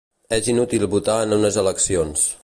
És inútil votar en unes eleccions.